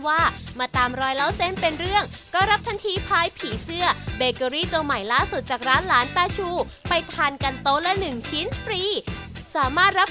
วันนี้ขอบคุณพี่ชัยมากนะครับ